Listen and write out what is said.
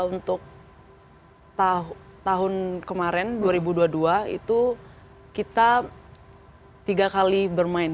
untuk tahun kemarin dua ribu dua puluh dua itu kita tiga kali bermain